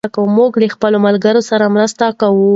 موږ له خپلو ملګرو سره مرسته کوو.